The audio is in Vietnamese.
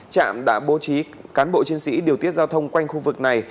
trạm đã bố trí cán bộ chiến sĩ điều tiết giao thông quanh khu vực này